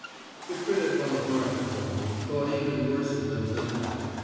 The critic on the hearth at home thought even worse of them than that.